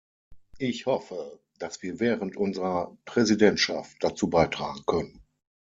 Ich hoffe, dass wir während unserer Präsidentschaft dazu beitragen können.